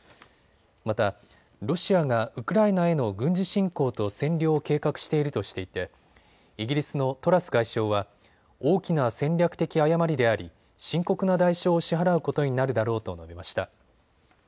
また、ロシアがウクライナへの軍事侵攻と占領を計画しているとしていてイギリスのトラス外相は大きな戦略的誤りであり深刻な代償を支払うことになるだろうと述べました。